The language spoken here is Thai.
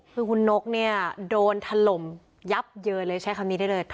คือคุณนกเนี่ยโดนถล่มยับเยินเลยใช้คำนี้ได้เลย